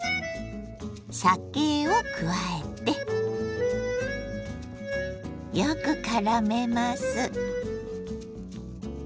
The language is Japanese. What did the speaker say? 酒を加えてよくからめます。